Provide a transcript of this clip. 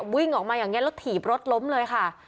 วิ่งออกมาอย่างนี้แล้วถีบรถล้มเลยค่ะ